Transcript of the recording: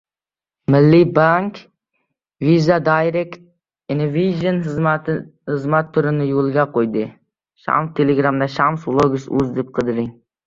«Milliy bank» Visa Direct innovatsion xizmat turini yo‘lga qo‘ydi